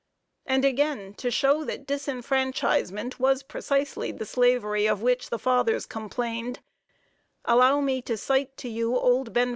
And again, to show that disfranchisement was precisely the slavery of which the fathers complained, allow me to cite to you old Ben.